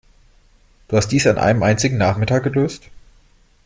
Du hast dies an einem einzigen Nachmittag gelöst?